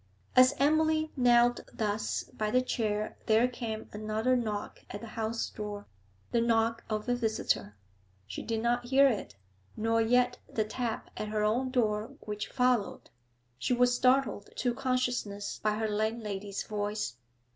As Emily knelt thus by the chair there came another knock at the house door, the knock of a visitor. She did not hear it, nor yet the tap at her own door which followed. She was startled to consciousness by her landlady's voice.